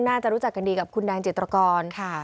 น่าจะรู้จักกันดีกับคุณแดงจิตรกร